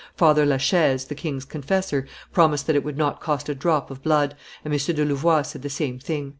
Father la Chaise, the king's confessor, promised that it would not cost a drop of blood, and M. de Louvois said the same thing."